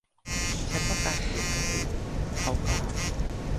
ฉันต้องการเขียนหนังสือ เขากล่าว